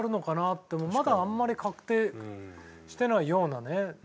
まだあんまり確定してないようなね。